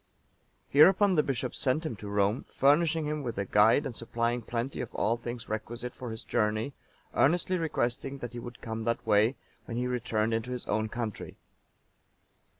Hereupon the bishop sent him to Rome, furnishing him with a guide and supplying plenty of all things requisite for his journey, earnestly requesting that he would come that way, when he returned into his own country.